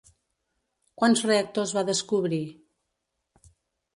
Quants reactors va descobrir?